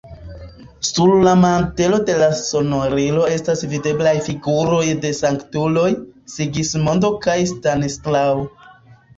Sur la mantelo de la sonorilo estas videblaj figuroj de sanktuloj: Sigismondo kaj Stanislao.